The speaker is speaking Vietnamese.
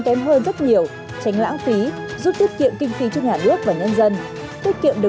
kém hơn rất nhiều tránh lãng phí giúp tiết kiệm kinh phí cho nhà nước và nhân dân tiết kiệm được